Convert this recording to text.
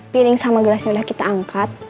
piring sama gelasnya udah kita angkat